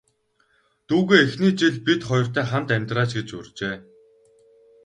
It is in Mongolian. Дүүгээ эхний жил бид хоёртой хамт амьдраач гэж урьжээ.